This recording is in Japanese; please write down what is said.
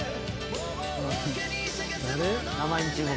名前に注目。